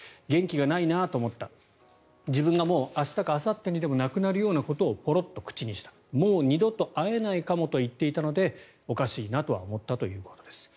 元気がないなと思った自分がもう明日かあさってにでも亡くなるようなことをポロっと口にしたもう二度と会えないかもと言っていたのでおかしいなとは思ったということです。